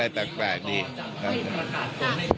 อันนี้จะต้องจับเบอร์เพื่อที่จะแข่งแข่งกันแล้วคุณละครับ